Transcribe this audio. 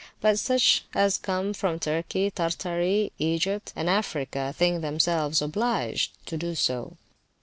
But such as come from Turkey, Tartary, Egypt, and Africa, think themselves obliged to do so.